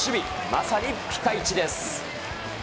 まさにピカイチです。